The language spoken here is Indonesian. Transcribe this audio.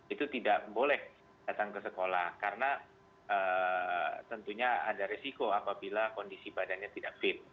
itu tidak boleh datang ke sekolah karena tentunya ada resiko apabila kondisi badannya tidak fit